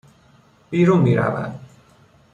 بیرون میرود